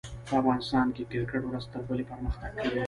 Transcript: په افغانستان کښي کرکټ ورځ تر بلي پرمختګ کوي.